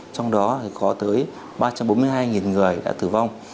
trong đó có tới ba trăm bốn mươi hai người đã tử vong